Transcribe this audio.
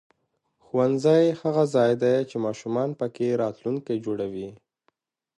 ښوونځی هغه ځای دی چې ماشومان پکې راتلونکی جوړوي